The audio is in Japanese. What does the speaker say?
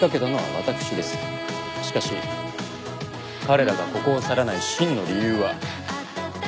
しかし彼らがここを去らない真の理由は。